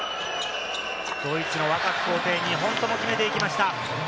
ドイツの若き皇帝、２本とも決めていきました。